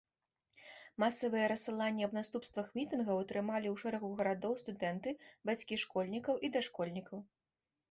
Масавыя рассыланні аб наступствах мітынгаў атрымалі ў шэрагу гарадоў студэнты, бацькі школьнікаў і дашкольнікаў.